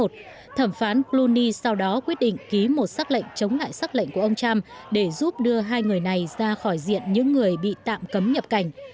thẩm phán bruni sau đó quyết định ký một xác lệnh chống lại xác lệnh của ông trump để giúp đưa hai người này ra khỏi diện những người bị tạm cấm nhập cảnh